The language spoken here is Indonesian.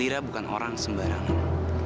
aurel bukan orang sembarangan